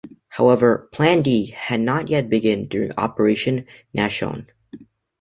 "However,"Plan D" had not yet begun during Operation Nachshon".